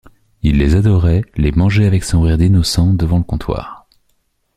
Il les adorait, les mangeait avec son rire d’innocent, devant le comptoir.